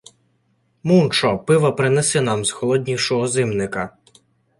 — Мунчо! Пива принеси нам з холоднішого зимника!